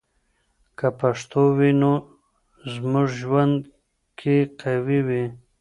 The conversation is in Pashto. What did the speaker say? که پښتو وي، نو زموږ ژوند کې قوی وي.